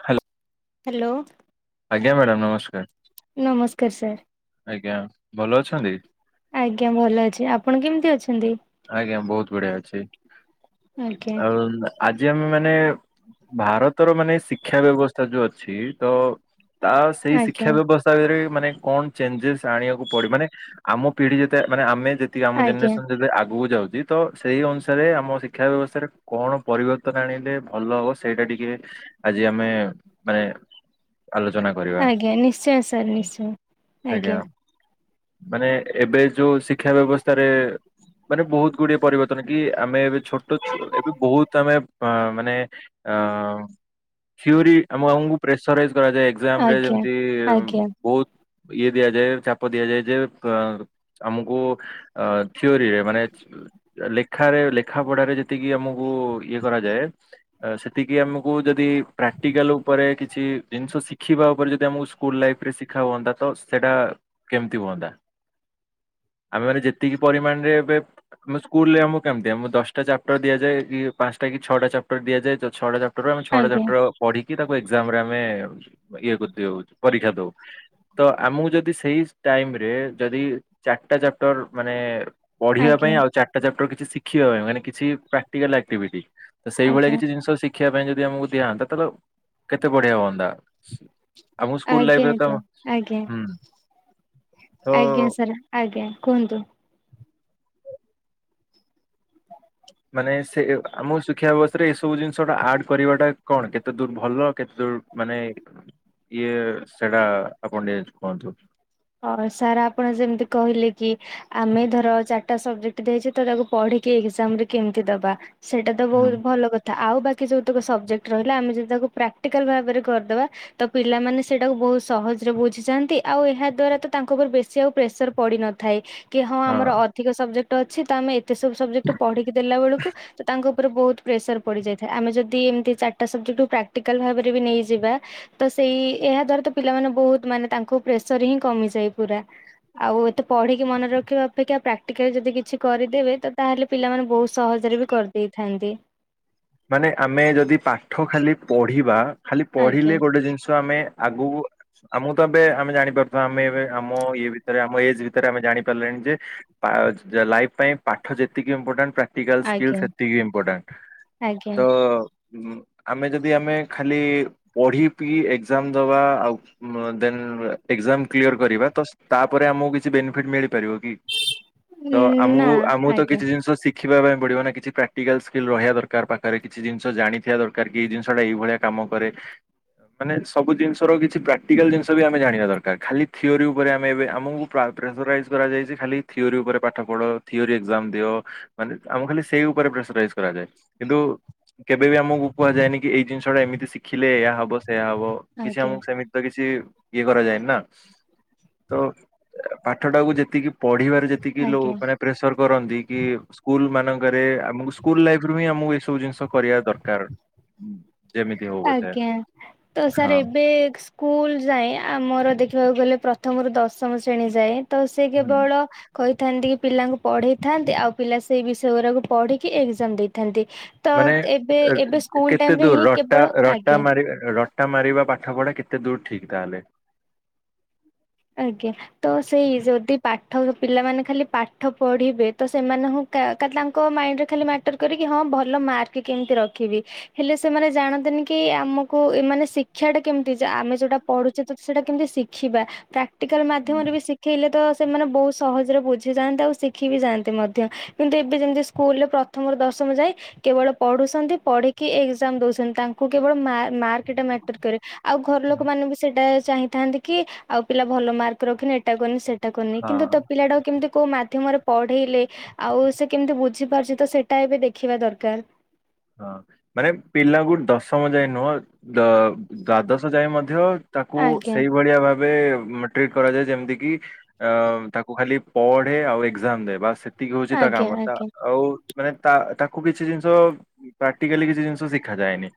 Hello. Hello. ଆଜ୍ଞା madam ନମସ୍କାର। ନମସ୍କାର ସାର୍। ଆଜ୍ଞା ଭଲ ଅଛନ୍ତି। ଆଜ୍ଞା ଭଲ ଅଛି ଆପଣ କେମତି ଅଛନ୍ତି? ଆଜ୍ଞା ବହୁତ ବଢିଆ ଅଛି ଆଜ୍ଞା ଆଉ‌। ଆଜି ଆମେ ମାନେ ଭାରତର ମାନେ ଶିକ୍ଷା ବ୍ୟବସ୍ଥା ଯୋଉ ଅଛି ତ। ତା ସେଇ ଆଜ୍ଞା ଶିକ୍ଷା ବ୍ୟବସ୍ [unintelligible] ମାନେ କଣ ଚେଞ୍ଜେସ ଆଣିବାକୁ ପଡି ମାନେ ଆମ ପିଢି ଯେତେ ମାନେ ଆମେ ଯେ ତିକି ଆମ ଆଜ୍ଞା ଜେନେରେସନ ଯେବେ ଆ ଗକୁ ଯାଉଚି ତ ସେହି ଅନୁସାରେ ଆମ ଶିକ୍ଷା ବ୍ୟବସ୍ଥାରେ କଣ ପରିବର୍ତ୍ତନ ଆଣିଲେ ଭଲ ହେବ ସେଇଟା ଟିକେ ଆଜି ଆମେ ମାନେ ଆଲୋଚନା କରିବା ଆଜ୍ଞା ନିଶ୍ଚୟ ସାର୍ ନିଶ୍ଚୟ ଆଜ୍ଞା। ମାନେ ଏବେ ଯୋଉ ଶିକ୍ଷା ବ୍ୟବସ୍ଥାରେ ମାନେ ବୋହୁତ ଗୁଡିଏ ପରିବର୍ତ୍ତନ କି ଆମେ ଏବେ ଛୋଟ ଛୁ ଏବେ ବୋହୁତ ଆମେ ମାନେ ଅ ଥିଓରି ଆମ ଆମକୁ ପ୍ରେସରାଇଜି କରାଯାଏ। [unintelligible] ଆଜ୍ଞା ଯେମିତି ଆଜ୍ଞା ବୋହୁତ ଇଏ ଦିଆଯାଏ ଚାପ ଦିଆଯାଏ ଯେ ଆମକୁ ଅ ଥିଓରିରେ ମାନେ ଲେଖାରେ ଲେଖା ପଢାରେ ଯେତିକି ଆମକୁ ଇଏ କରାଯାଏ। ସେତିକି ଆମକୁ ଯଦି ପ୍ରାକ୍ଟିକାଲ ଉପରେ କିଛି ଜିନିଷ ଶିଖିବା ଉପରେ ଯଦି ଆମକୁ ସ୍କୁଲ ଲାଇଫ୍ ରେ ଶିଖା ହୁଅନ୍ତା ତ ସେଟା କେମିତି ହୁଅନ୍ତା? ଆମେ ମାନେ ଯେତିକି ପରିମାଣରେ ଏବେ ଆମ ସ୍କୁଲରେ ଆମକୁ କେମିତି ଆମକୁ ଦଶଟା ଚାପଟର ଦିଆଯାଏ କି ପାଞ୍ଚଟା କି ଛଅଟା ଚାପଟର ଦିଆଯାଏ। ତ ଛଟା ଚା ଟୋଟାଲ ଆମେ ଛଟା ଆଜ୍ଞା ଚାପଟର ପଢିକି ତାକୁ ଏକ୍ସାମ୍ ରେ ଆମେ ଇଏ କରିଦୋଉ ପରୀକ୍ଷା ଦୋଉ। ତ ଆମକୁ ଯଦି ସେଇ ଟାଇମ୍ ରେ ଯଦି ଚାରିଟା ଚାପଟର ମାନେ ପଢିବା ଆଜ୍ଞା ପାଇଁ ଆଉ ଚାରିଟା ଚାପଟର କିଛି ଶିଖିବା ପାଇଁ ମାନେ କିଛି ପ୍ରାକ୍ଟିକାଲ ଆକ୍ଟିଭିଟି ତ ସେଇଭଳିଆ ଆଜ୍ଞା କିଛି ଜିନିଷ ଶିଖିବା ପାଇଁ ଯଦି ଆମକୁ ଦିଆହୁଅନ୍ତା ତାହେଲେ କେତେ ବଢିଆ ହୁଅନ୍ତା। ଆମ ସ୍କୁଲ ଆଜ୍ଞା ଆଜ୍ଞା ଲାଇଫ୍ ରେ ତ ଆଜ୍ଞା ହୁଁ। ଆଜ୍ଞା ତ ସାର୍ ଆଜ୍ଞା କୁହନ୍ତୁ। ମାନେ ସେ ଆମ ଶିକ୍ଷା ବ୍ୟବସ୍ଥାରେ ଏସବୁ ଜିନିଷଟା ଆଡ୍ କରିବାଟା କଣ କେତେ ଦୂର ଭଲ କେତେ ଦୂର ମାନେ ଇଏ ସେଟା ଆପଣ ଟିକେ କୁହନ୍ତୁ। ହଁ ସାର୍ ଆପଣ ଯେମିତି କହିଲେ କି ଆମେ ଧର ଚାରିଟା ସବଜେକ୍ଟ ଦେଇଚୁ ତ ତାକୁ ପଢିକି ଏକ୍ଜାମ ରେ କେମିତି ଦବା ସେଇଟା ତ ହୁଁ। ବୋହୁତ ଭଲ କ ଥା। ଆଉ ବାକି ଯୋଉତକ ସବଜେକ୍ଟ ରହିଲା ଆମେ ଯଦି ତାକୁ ପ୍ରାକ୍ଟିକାଲ ଭାବରେ କରିଦବା ତ ପିଲାମାନେ ସେଇଟାକୁ ବୋହୁତ ସହଜରେ ବୁଝିଯାନ୍ତି। ଆଉ ଏହା ଦ୍ଵାରା ତାଙ୍କ ଉପରେ ବେଶି ଆଉ ପ୍ରେସର ପଡି ନଥାଏ, କି ହଁ ଆମର ଅଧିକ ସବଜେକ୍ଟ ଅଛି। ତ ଆମେ ଏ ସବୁ ସବଜେକ୍ଟ ପଢିକି ଦେଲା ବେଳକୁ ତ ତାଙ୍କ ଉପରେ ବୋହୁତ ପ୍ରେସର ପଡିଯାଇଥାଏ। ଆମେ ଯଦି ଏମିତି ଚାରିଟା ସବଜେକ୍ଟକୁ ପ୍ରାକ୍ଟିକାଲ ଭାବରେ ବି ନେଇଯିବା ତ ସେଇ ଏହା ଦ୍ଵାରା ତ ପିଲାମାନେ ବୋହୁତ ମାନେ ତାଙ୍କୁ ପ୍ରେସର ହିଁ କମିଯାଏ ପୁରା। ଆଉ ଏତେ ପଢିକି ମନେ ରଖିବା ଅପେକ୍ଷା ପ୍ରାକ୍ଟିକାଲ ଯଦି କିଛି କରିଦେବେ ତ ତାହେଲେ ପିଲାମାନେ ବୋହୁତ ସହଜରେ ବି କରିଦେଇଥାନ୍ତେ। ମାନେ ଆମେ ଯଦି ପାଠ ଖାଲି ପଢିବା। ଖାଲି ଆଜ୍ଞା ପଢିଲେ ଗୋଟେ ଜିନିଷ ଆମେ ଆଗୁକୁ ଆମକୁ ତ ଏବେ ଆମେ ଜାଣିପାରୁଥିବା ଆମେ ଏବେ ଆମ ଇଏ ଭିତରେ ଆମ ଏଜ ଭିତରେ ଆମେ ଜାଣି ପାରିଲେଣି ଯେ ପା ଲାଇଫ୍ ପାଇଁ ପାଠ ଯେତିକି ଇମ୍ପୋର୍ଟାଣ୍ଟ ପ୍ରାକ୍ଟିକାଲ ସ୍କିଲ୍ ଆଜ୍ଞା ସେତିକି ଇମ୍ପୋର୍ଟାଣ୍ଟ। ଆଜ୍ଞା। ହୁଁ ଆମେ ଯଦି ଆମେ ଖାଲି ପଢି ପି ଏକ୍ଜାମ ଦବା ଆଉ ଉଁ ଦେନ୍ ଏକ୍ସାମ କ୍ଲିୟର କରିବା ତ ତାପରେ ଆମକୁ କିଛି ବେନିଫିଟ ମିଳିପାରିବ କି? ତ ନା ଆମକୁ ଆମକୁ ତ ଆଜ୍ଞା କିଛି ଜିନିଷ ଶି ଖିବା ପାଇଁ ପଡିବ ନା କିଛି ପ୍ରାକ୍ଟିକାଲ ସ୍କିଲ ରହିବା ଦରକାର। ପା ଆରେ କିଛି ଜିନିଷ ଜାଣିଥିବା ଦରକାର କି ଏଇ ଜିନିଷ ଟା ଏଇଭଳିଆ କାମ କରେ। ମାନେ ସବୁ ଜିନିଷର କିଛି ପ୍ରାକ୍ଟିକାଲ ଜିନିଷ ବି ଆମେ ଜାଣିବା ଦରକାର। ‌ ଖାଲି ଥିଓରି ଉପରେ ଆମେ ଏବେ ଆମକୁ ପ୍ରା ପ୍ରେସରାଇଜ କରାଯାଇଚି ଖାଲି ଥିଓରି ଉପରେ ପାଠ ପଢ ଥିଓରି ଏକ୍ଜାମ ଦିଅ। ମାନେ ଆମକୁ ଖାଲି ସେଇ ଉପରେ ପ୍ରେସରାଇଜ କରାଯାଇଚି। କିନ୍ତୁ କେବେ ବି ଆମକୁ କୁହାଯାଏନି କି ଏଇ ଜିନିଷ ଟା ଏମିତି ଶିଖିଲେ ଏୟା ହବ ସେଇୟା ହବ। କି ସେ ଆଜ୍ଞା ଆମକୁ ସେମି ତ କିଛି ଇଏ କରାଯାଏ ନି ନା ତ ପାଠଟାକୁ ଯେତିକି ପଢିବାରେ ଯେତିକି ଆଜ୍ଞା ମାନେ ପ୍ରେସର କରନ୍ତି କି ସ୍କୁଲ ମାନଙ୍କରେ ଆମ ସ୍ଲଲ ଲାଇଫରୁ ହିଁ ଆ ଜିନିଷ କରିବା ଦରକାର। ଯେମିତି ହଉ ପଛେ ଆଜ୍ଞା ତ ସାର୍ ହଁ। ଏବେ ସ୍କୁଲ ଯାଏ ଆମର ଦେଖିବାକୁ ଗଲେ ପ୍ରଥମରୁ ଦଶମ ଶ୍ରେଣୀ ଯାଏଁ ତ ସେ କେବଳ କହିଥାନ୍ତି କି ପିଲାଙ୍କୁ ପଢେଇଥାନ୍ତି ଆଉ ପିଲା ସେଇ ବିଷୟ ଗୁଡାକୁ ପଢିକି ଏକ୍ଜାମ ଦେଇଥାନ୍ତି। ତ ମାନେ ଏବେ ଅ, ଏବେ ସ୍କୁଲ କେତେ ଟାଇମ ରେ ଦୂର ହିଁ ରଟା କେବଳ ରଟା ଆଜ୍ଞା ମାର ରଟା ମାରିବା ପାଠ ପଢା କେତେ ଦୂର ଠିକ୍ ତାହେଲେ? ଆଜ୍ଞା ତ ସେଇ ଯଦି ପାଠ ପିଲାମାନେ ଖାଲି ପାଠ ପଢିବେ। ତ ସେମାନଙ୍କୁ ତାଙ୍କ ମାଇଣ୍ଡରେ ଖାଲି ମାଟର କରେକି ହଁ ଭଲ ମାର୍କ କେମିତି ରଖିବି। ହେଲେ ସେମାନେ ଜାଣନ୍ତିନି କି ଆମକୁ ଏ ମାନେ ଶିକ୍ଷା ଟା କେମିତି ଆମେ ଯୋଉଟା ପଢୁଛେ ଯେ ସେଟା କେମିତି ଶିଖିବା। ପ୍ରାକ୍ଟିକାଲ ମାଧ୍ୟମରେ ବି ଶି ଖିଲେ ତ ସେମାନେ ବହୁତ ସହଜରେ ବୁଝି ଯାଆନ୍ତେ। ଆଉ ଶିଖି ବି ଯାଆନ୍ତେ ମଧ୍ୟ। କିନ୍ତୁ ଏବେ ଯେମିତି ସ୍କୁଲରେ ପ୍ର ପ୍ରଥମରୁ ଦଶମ ଯାଇଁ କେବଳ ପଢୁଛନ୍ତି। ପଢିକି ଏକ୍ଜାମ ଦଉଛନ୍ତି। ତାଙ୍କୁ କୁ କେବଳ ମା ମାର୍କ ଟା ମ୍ୟାଟର୍ କରେ। ଆଉ ଘର ଲୋକ ମାନେ ବି ସେଇଟା ଚାହିଁଥାନ୍ତି କି ଆଉ ପିଲା ଭଲ ମାର୍କ ରଖିନି। ଏଟା କରିନି ସେଇଟା କରିନି। କିନ୍ତୁ ହଁ ତ ପିଲାଟାକୁ କେମିତି କୋଉ ମାଧ୍ୟମରେ ପଢେଇଲେ ଆଉ ସେ କେମିତି ବୁଝିପାରୁଛି। ତ ସେଇଟା ଏବେ ଦେଖିବା ଦରକାର। ହଁ ମାନେ ପିଲାଙ୍କୁ ଦଶମ ଯାଏ ନୁହଁ। ଦ୍ଵାଦଶ ଯାଏ ମଧ୍ୟ ତାକୁ ଆଜ୍ଞା ସେଇଭଳିଆ ଭାବେ ଟ୍ରିଟ କରାଯାଏ। ଯେମତି କି ତାକୁ ଖାଲି ପଢେ ଆଉ ଏକ୍ସାମ ଦେ। ବାସ୍ ଏତିକେ ହଉଛି ତା ଆଜ୍ଞା କାମ। ତା ଆଜ୍ଞା ଆଉ ମାନେ ତା ତାକୁ କିଛି ଜିନିଷ ପ୍ରାକ୍ଟିକାଲି କିଛି ଜିନିଷ ଶିଖାଯାଏନି।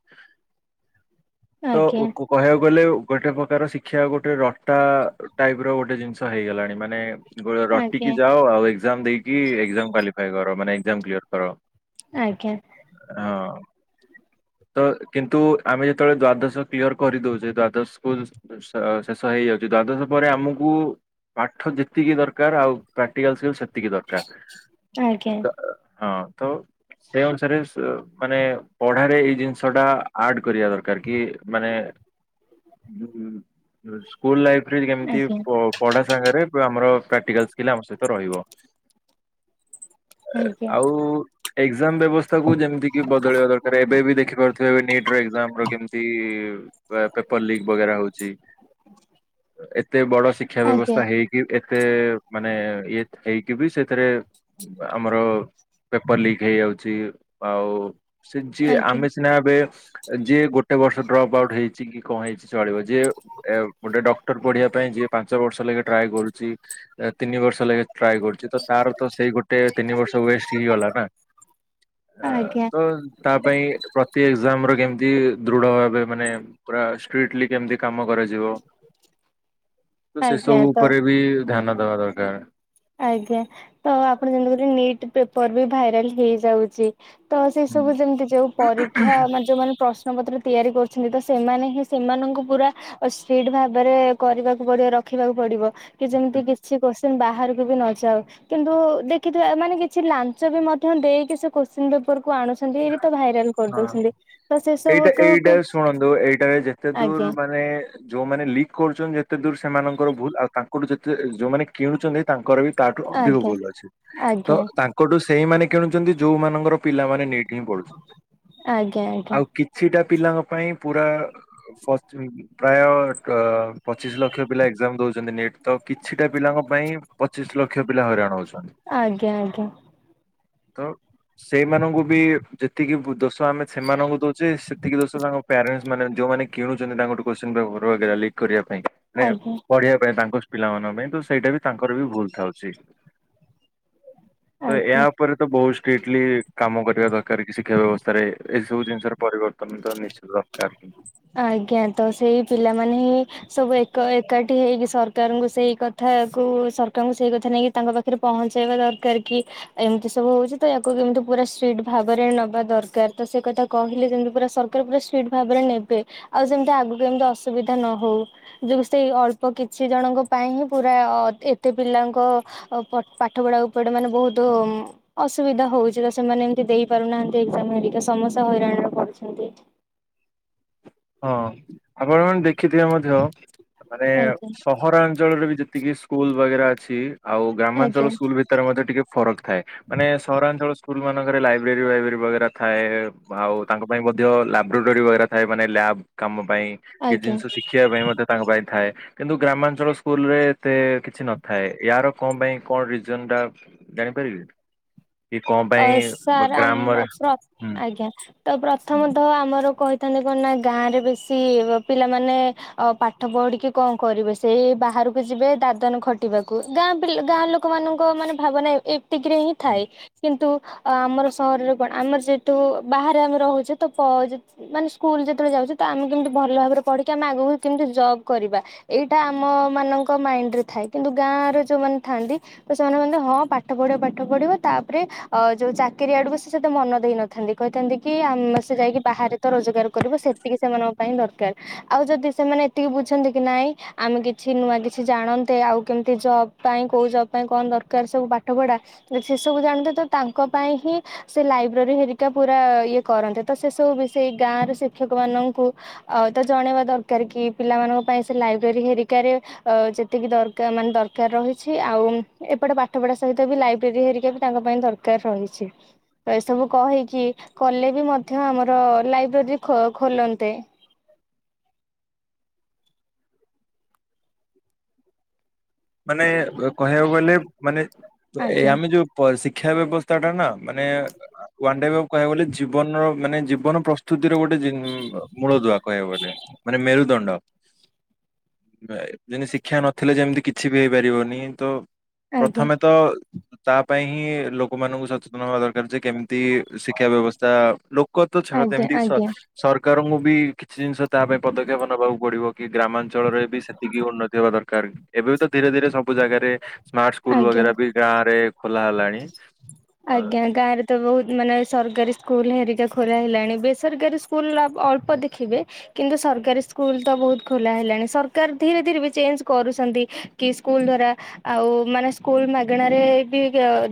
ତ ଆଜ୍ଞା କହିବାକୁ ଗଲେ ଗୋଟେ ପ୍ରକାର ଶିକ୍ଷା ଗୋଟେ ରଟା ଟାଇପ ର ଗୋଟେ ଜିନିଷ ହେଇଗଲାଣି। ମାନେ ରଟିକି ଯାଅ ଆଉ ଏକ୍ସାମ୍ ଦେଇକି ଏକ୍ସାମ୍ କ୍ୱାଲିଫାଇ କର। ମାନେ ଏକ୍ସାମ୍ କ୍ଲିୟର କର। ଆଜ୍ଞା। ହଁ। ତ କିନ୍ତୁ ଆମେ ଯେତେବେଳେ ଦ୍ଵାଦଶ କ୍ଲିଅର କରିଦଉଛେ। ଦ୍ଵାଦଶକୁ ଶେ ଶେଷ ହେଇଯାଉଛି। ଦ୍ଵାଦଶ ପରେ ଆମକୁ ପାଠ ଯେତିକି ଦରକାର ଆଉ ପ୍ରାଟିକାଲ ସେ ତିକି ଆଜ୍ଞା ଆଜ୍ଞା ଦରକାର ହଁ। ତ ସେ ଅନୁସାରେ ମାନେ ପଢାରେ ଏ ଜିନିଷ ଟା ଆଡ କରିବା ଦରକାର। କି ମାନେ ଉଁ ସ୍କୁଲ ଲାଇଫରେ କେମିତି ଆଜ୍ଞା ପ ପଢା ସାଙ୍ଗରେ ଆମର ପ୍ରାକ୍ଟିକାଲ ସ୍କିଲ୍ ଆମ ସହିତ ରହିବ। ଆଜ୍ଞା ଆଜ୍ଞା ଆଉ ଏକ୍ଜାମ ବ୍ୟବସ୍ଥାକୁ ଯେମିତି କି ବଦଳିବା ଦରକାର। ଏବେ ବି ଦେଖ ଦେଖିପାରୁ ଥିବେ ଏବେ ନିଟର ଏକ୍ସାମର କେମିତି ପେପର ଲିକ ବଗେରା ହେଉଛି। ଏତେ ବଡ ଶିକ୍ଷା ବ୍ୟବସ୍ଥା ହେଇ କି କେତେ ମାନେ ଇଏ ହେଇକି ବି ସେଥିରେ ଆମର ପେପର ଲିକ ହେଇଯାଉଛି। ଆଉ ସେ ଯିଏ ଆଜ୍ଞା। ଆମେ ଏବେ ଯିଏ ଗୋଟେ ବର୍ଷ ଡ୍ରପ୍ ଆଉଟ୍ ହେଇଛି କି କଣ ହେଇଛି ଚଳିବ। ଯେ ଏ ଗୋଟେ ଡକ୍ଟର ପଢିବା ପାଇଁ ଯିଏ ପାଞ୍ଚ ବର୍ଷ ଲାଖେ ଟ୍ରାଏ କରୁଛି। ତିନି ବର୍ଷ ଲାଖେ ଟ୍ରାଏ କରୁଛି ତ ତାର ତ ସେଇ ଗୋଟେ ତିନି ବର୍ଷ ୱେଷ୍ଟ ହେଇଗଲା ନା। ଆ ଆଜ୍ଞା ତ ତା ପାଇଁ ପ୍ରତି ଏକ୍ଜାମ ର କେମିତି ଦୃଢ ଭାବେ ମାନେ ପୁରା ଷ୍ଟ୍ରିଟଲି କେମିତି କାମ କରାଯି ତ ଆଜ୍ଞା ସେସବୁ ତ ଉପରେ ବି ଆଜ୍ଞା। ଧ୍ୟାନ ଦବା ଦରକାର। ଆଜ୍ଞା ତ ଆପଣ ଯେମିତି କ ନିଟ୍ ପେପର ବି ଭାଇରାଲ ହେଇଯାଉଛି। ତ ସେ ହୁଁ। ସବୁ ଯେମିତି ଯୋଉ ପରୀକ୍ଷା ନା ଯୋଉ ମାନେ ପ୍ରଶ୍ନ ପ୍ର ପତ୍ର ତିଆରି କରୁଛନ୍ତି। ତ ସେମାନେ ହିଁ ସେମାନଙ୍କୁ ପୁରା ସ୍ପିଡ ଭାବରେ କରିବାକୁ ପଡିବ ରଖିବାକୁ ପଡିବ। କି ଯେମିତି କିଛି କୁଶ୍ଚିନ ବାହାରକୁ ବି ନ ଯାଉ। କିନ୍ତୁ ଦେଖିଥିବା ମାନେ କିଛି ଲାଞ୍ଚ ବି ମଧ୍ୟ ଦେଇକି ସେ କୋଶ୍ଚିନ ପେପର କୁ ଆଣୁ ହଁ ସେ ଏଇଟା ସବୁକୁ କୁ ଏଇଟା ଶୁଣନ୍ତୁ। ଏଇଟାରେ ଯେତେ ଦୂର ଆଜ୍ଞା ମାନେ ଯୋଉମାନେ ଲିକ୍ କରୁଛନ୍ତି ଯେତେ ଦୂର ସେମାନଙ୍କର ଭୁଲ ଆଉ ତାଙ୍କଠୁ ଯେତେ ଯୋଉମାନେ କିଣୁଛନ୍ତି ତାଙ୍କର ବି ତାଠୁ ଅଧିକ ଆଜ୍ଞା ଭୁଲ ଅଛି ତ ଆଜ୍ଞା ତାଙ୍କଠୁ ସେଇମାନେ କିଣୁଛନ୍ତି ଯୋଉମାନଙ୍କର ପିଲାମାନେ କିଏଁ ପଢୁଛି ଆଜ୍ଞା ଆଉ ଆଜ୍ଞା କିଛିଟା ପିଲାଙ୍କ ପାଇଁ ପୁରା ପ୍ରାୟ ପଚିଶ ଲକ୍ଷ ପିଲା ଏକ୍ସାମ ଦଉଛନ୍ତି ନୀଟ ତ କିଛିଟା ପିଲାଙ୍କ ପାଇଁ ପଚିଶ ଲକ୍ଷ ମୁଖ ପିଲା ହଇରାଣ ହଉଛନ୍ତି। ଆଜ୍ଞା ଆଜ୍ଞା ତ ସେଇମାନଙ୍କୁ ବି ଯେତିକି ଦୋଷ ଆମେ ସେମାନଙ୍କୁ ଦଉଛେ ସେତିକି ଦୋଷ ତାଙ୍କ ପ୍ୟାରେଣ୍ଟ ମାନେ ଯୋଉମାନେ କିଣୁଛନ୍ତି ତାଙ୍କ ଗୋଟେ କୋ୍ଚ ପେପର ଲିକ୍ କରିବା ପାଇଁ। ମାନ ଆଜ୍ଞା ଆଜ୍ଞା ପଢିବା ପାଇଁ ତାଙ୍କ ପିଲାମାନାନଙ୍କ ପାଇଁ ତ ସେଇଟା ବି ତାଙ୍କର ବି ଭୁଲ ଥାଉଛି। ତ ଏହା ଆଜ୍ଞା ଉପରେ ତ ବହୁତ ଷ୍ଟ୍ରିକଟଲି କାମ କରିବା ଦର କାରିକି ଶିକ୍ଷା ବ୍ୟବସ୍ଥାରେ ଏଇସବୁ ଜିନିଷ ର ପରିବର୍ତ୍ତନ ତ ନିଶ୍ଚିତ ଦରକାର। ଆଜ୍ଞା ତ ସେଇ ପିଲାମାନେ ହିଁ ସବୁ ଏକ ଏକାଠି ସେଠି ହେଇକି ସରକାରଙ୍କୁ ସେଇ କଥାକୁ ସରକାରଙ୍କୁ ସେଇ କଥା ନେଇକି ତାଙ୍କ ପାଖରେ ପହଞ୍ଚାଇବା ଦରକାର କି? ଏମିତି ସବୁ ହଉଛି। ତ ୟାକୁ କେମିତି ପୁରା ଷ୍ଟ୍ରିଟ ଭାବରେ ନବା ଦରକାର ତ ସେ କଥା କହିଲେ ଯେମତି ପୁରା ସରକାର ପୁରା ଷ୍ଟେଟ୍ ଭାବରେ ନେବେ। ଆଉ ସେମିତି ଆଗକୁ ଏମିତି ଅସୁବିଧା ନ ହଉ। ଯଉ ସେଇ ଅଳ୍ପ କିଛି ଜଣଙ୍କ ପାଇଁ ହିଁ ପୁରା ଏତେ ପିଲାଙ୍କ ଆ ପାଠ ପଢା ଉପରେ ମାନେ ବହୁତ ଅସୁବିଧା ହଉଛି ତ ସେମାନେ ଏମିତି ଦେଇପାରୁନାହାନ୍ତି ଏାମ ହେରିକ ସମସେ ହଇରାଣରେ ପଡୁଛନ୍ତି। ହଁ ଆପଣ ମାନେ ଦେଖିଥିବେ ମଧ୍ୟ ମାନେ ଆଜ୍ଞା ସହରାଞ୍ଚଳରେ ବି ଯେତିକି ସ୍କୁଲ ବଗେରା ଅଛି। ଆଉ ଗ୍ରାମାଞ୍ଚଳ ଆଜ୍ଞା ସ୍କୁଲ ମଧ୍ୟ ଟିକେ ଫରକ ଥାଏ। ମାନେ ସହରାଞ୍ଚଳ ସ୍କୁଲ ମାନଙ୍କରେ ଲାଇବ୍ରେରୀ ବାଇବ୍ରେରି ଥାଏ। ଆଉ ତାଙ୍କ ପାଇଁ ମଧ୍ୟ ଲାବୋରେଟୋରୀ ବ ଥାଏ। ମାନେ ଲ୍ୟାବ୍ କାମ ପାଇଁ କିଛି ଆଜ୍ଞା ଜିନିଷ ଶିଖି ଶିଖିବା ପାଇଁ ମତେ ତାଙ୍କ ପାଇଁ ଥାଏ। କିନ୍ତୁ ଗ୍ରାମାଞ୍ଚଳ ସ୍କୁଲ ରେ ଏତେ କିଛି ନଥାଏ। ୟାର କଣ ପାଇଁ କଣ ରିଜନ ଟା ଜାଣିପାରିବି। ଅ ସାର୍ ଗ୍ରାମରେ ଆମ ଆଜ୍ଞା। ତ ପ୍ରଥମତଃ ଆମର କହିଥାନ୍ତି କଣ ନା ଗାଁରେ ବେଶୀ ପିଲାମାନେ ଆ ପାଠ ପଢିକି କଣ କରିବେ ସେଇ ବାହାରକୁ ଯିବେ ଦାଦନ ଖଟିବାକୁ ଗାଁ ପିଲା ଗାଁ ଲୋକ ଲୋକ ମାନଙ୍କ ମାନେ ଭାବନା ଏତିକିରେ ହିଁ ହୁଁ ଥାଏ। କିତୁ ଆମର ସହରରେ କଣ ଆମର ଯେହେତୁ ବାହାରେ ଆମେ ରହୁଛେ ତ ମାନେ ସ୍କୁଲ ଯେତେବେଳେ ଯାଉଛି ତ ଆମେ କେମିତି ଭଲ ଭାବରେ ପଢିକି ଆମେ ଆଗକୁ କେମିତି ଜବ୍ କରିବା। ଏଇଟା ଆମ ମାନଙ୍କ ମାଇଣ୍ଡରେ ଥାଏ କିନ୍ତୁ ଗାଁରେ ଯୋଉମାନେ ଥାଆନ୍ତି ତ ସେମାନେ ବ ହଁ ପାଠ ପଢିବ ପାଠ ପଢିବ ତା ଯୋଉ ଚାକିରି ଆଡକୁ ସେ ସେତେ ମନ ଦେଇନଥାନ୍ତି। କହିଥାନ୍ତି କି ଆ ସେ ଯାଇକି ବାହାରେ ରୋଜଗାର କରିବ ସେତିକି ସେମାନଙ୍କ ପାଇଁ ଦରକାର। ଆଉ ଯଦି ସେମାନେ ଏତିକି ବୁଝନ୍ତି କି ନାଇଁ ଆମେ କିଛି ନୂଆ କିଛି ଜାଣନ୍ତେ। ଆଉ କେମିତି ଜବ ପାଇଁ କୋଉ ଜବ୍ ପାଇଁ କଣ ଦରକାର ସବୁ ପାଠ ପଢା। ସେ ସବୁ ଜାଣଥାେ ତ ତାଙ୍କ ପାଇଁ ହିଁ ସେ ଲାଇବ୍ରେରୀ ହେରିକା ପୁରା ଇଏ କରନ୍ତିେ ତ ସେ ସବୁ ବି ସେଇ ଗାଁରେ ଶିକ୍ଷକ ମାନଙ୍କୁ ଆଉ ତ ଜଣେଇବା ଦରକାର କି ପିଲାମାନଙ୍କ ପାଇଁ ସେ ଲାଇବ୍ରେରୀ ହେରିକାରେ ଅ ଯେତିକି ଦର ମାନେ ଦରକାର ରହିଛି। ଆଉ ଏପଟେ ପାଠ ପଢା ସହିତ ବି ଲାଇବ୍ରେର ହେରି ହେରିକା ତାଙ୍କ ପାଇଁ ଦରକାର ରହିଛି। ଏସବୁ କହିକି କଲେ ବି ମଧ୍ୟ ଆମର ଲାଇବ୍ରେରୀ ଖୋଲନ୍ତେ। [unintelligible] ମାନେ କହିବାକୁ ଗଲେ ମାନେ ଏ ଆଜ୍ଞା ଆମେ ଯୋଉ ଶିକ୍ଷା ବ୍ୟବସ୍ଥା ଟା ନା ମାନେ ଓନେ ଡେ କହିବା ଗଲେ ଜୀବନର ମାନେ ଜୀବନ ପ୍ରସ୍ତୁତିର ଗୋଟେ ଜି ମୂଳଦୁଆ କହିବାକୁ ଗଲେ ମାନେ ମେରୁଦଣ୍ଡ। ଯେମିତି ଶିକ୍ଷା ନଥିଲେ ଯେମିତି କିଛି ବି ହେଇପାରିବନି ତ ଆଜ୍ଞା ପ୍ରଥମେ ତ ତା ପାଇଁ ହିଁ ଲୋ ଲୋକ ମାନଙ୍କୁ ସଚେତନ ହବା ଦରକାର ଯେ କେମିତି ଶିକ୍ଷା ବ୍ୟବସ୍ଥା ଲୋକ ତ ଛାଡ ତ ଆଜ୍ଞା କେମିତି ଆଜ୍ଞା ସରକାରଙ୍କୁ ବି କିଛି ଜିନିଷ ତା ପାଇଁ ପଦକ୍ଷେପ ନେବାକୁ ପଡିବ କି ଗ୍ରାମାଞ୍ଚଳରେ ବି ସେତିକି ଉନ୍ନତି ହବା ଦରକାର। ଏବେ ବି ତ ଧୀରେ ଧୀରେ ସବୁ ଜାଗାରେ ସ୍ମାର୍ଟ ସ୍କୁଲ ଆଜ୍ଞା। ବଗେରା ବି ଗାଁ ରେ ଖୋଲା ହେଲାଣି। ଆଜ୍ଞା ଗାଁରେ ତ ବହୁତ ମାନେ ସରକାରୀ ସ୍କୁଲ୍ ହେରିକା ଖୋଲା ହେଲାଣି ବେସରକାରୀ ସ୍କୁଲ୍ ଆ ଅଳ୍ପ ଦେଖିବେ କିନ୍ତୁ ସରକାରୀ ସ୍କୁଲ ତ ବହୁତ ଖୋଲା ହେଲାଣି ସରକାର ଧୀରେ ଧୀରେ ବି ଚେଞ୍ଜ କରୁଛନ୍ତି କି ସ୍କୁଲ ଦ୍ଵାରା ଆଉ ମାନେ ସ୍କୁଲ ମାଗଣାରେ ବି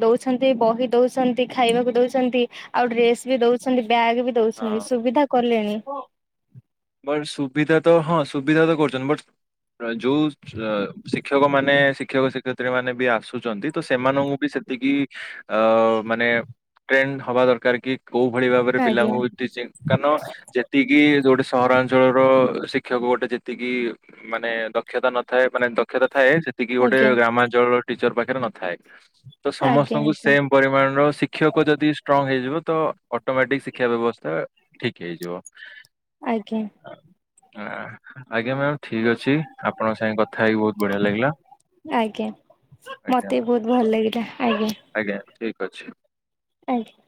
ଦଉଛନ୍ତି ବହି ଦଉଛନ୍ତି ଖାଇବାକୁ ଦଉଛନ୍ତି ଆଉ ଡ୍ରେସ ବି ଦଉଛନ୍ତି ବ୍ୟାଗ୍ ବି ଦଉଛନ୍ତି ଅ, ସୁବିଧା କଲେଣି। ହଁ ବଟ ସୁବିଧା ତ ହଁ ସୁବିଧା ତ କରୁଛନ୍ତି ବଟ ଯୋଉ ଶିକ୍ଷକ ମାନେ ଶିକ୍ଷକ ଶିକ୍ଷୟତ୍ରୀ ମାନେ ବି ଆସୁଛନ୍ତି ତ ସେମାନଙ୍କୁ ବି ସେତିକି ଅ ମାନେ ଟ୍ରେଣ୍ଡ ହବା ଦରକାର କି କୋଉ ଭଳି ଭାବରେ ଆଜ୍ଞା ପିଲାଙ୍କୁ ଟିଚିଂ କାରଣ ଯେତିକି ଗୋଟେ ସହରାଞ୍ଚଳର ଶିକ୍ଷକ ଗୋଟେ ଯେତିକି ମାନେ ଦକ୍ଷତା ନଥାଏ ମାନେ ଦକ୍ଷତା ଥାଏ ସେ ଏତିକି ଗୋଟେ ଆଜ୍ଞା ଗ୍ରାମାଞ୍ଚଳର ଟିଚର ପାଖରେ ନଥାଏ ତ ଆଜ୍ଞା ସମସ୍ତଙ୍କୁ ଆଜ୍ଞା ସେମ୍ ପରିମାଣର ଶିକ୍ଷକ ଯଦି ଷ୍ଟ୍ରଙ୍ଗ ହେଇଯିବ ତ ଅଟୋମେଟିକ ସି ଶିକ୍ଷା ବ୍ୟବସ୍ଥା ଠିକ୍ ହେଇଯିବ। ଆଜ୍ଞା। ଆ, ଆଜ୍ଞା ମ୍ୟାାମ ଠିକ୍ ଅଛି ଆପଣଙ୍କ ସାଙ୍ଗେ କଥା ହେଇକି ବହୁତ ବଢିଆ ଲାଗିଲା। ଆଜ୍ଞା ଆଜ୍ଞା ମତେ ବି ବହୁତ ଭଲ ଲାଗିଲା ଆଜ୍ଞା। ଆଜ୍ଞା ଠିକ୍ ଅଛି। ଆଜ୍ଞା।